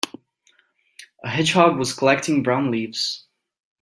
A hedgehog was collecting brown leaves.